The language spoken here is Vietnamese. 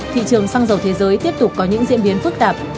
thị trường xăng dầu thế giới tiếp tục có những diễn biến phức tạp